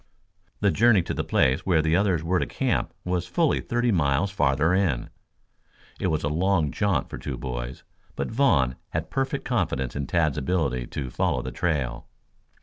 The journey to the place where the others were to camp was fully thirty miles farther in. It was a long jaunt for two boys, but Vaughn had perfect confidence in Tad's ability to follow the trail.